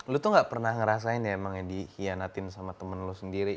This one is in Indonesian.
lu tuh gak pernah ngerasain ya emang yang dikhianatin sama temen lu sendiri